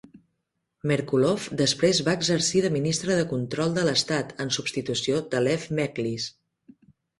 Merkulov després va exercir de ministre de Control de l'Estat en substitució de Lev Mekhlis.